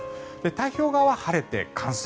太平洋側は晴れて乾燥